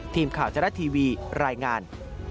ทีมข่าวจรัฐทีวีรายงาน